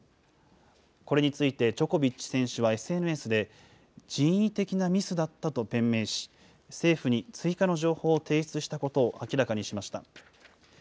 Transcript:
これについてジョコビッチ選手はＳＮＳで、人為的なミスだったと弁明し、政府に追加の情報を提出したことを明らかにしました。